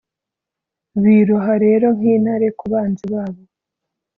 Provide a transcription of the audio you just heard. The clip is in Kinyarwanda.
biroha rero nk'intare ku banzi babo